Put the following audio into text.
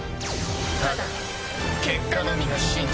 ただ結果のみが真実。